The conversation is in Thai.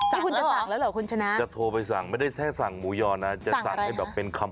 ที่คุณจะสั่งแล้วหรือคุณชนะ